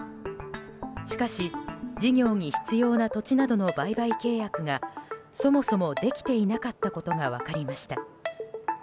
しかし、事業に必要な土地などの売買契約がそもそもできていなかったことが分かりました。